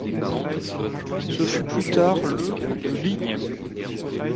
Ce fut plus tard le de ligne.